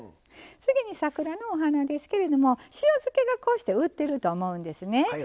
次に桜のお花ですけれども塩漬けがこうして売ってると思うんですね。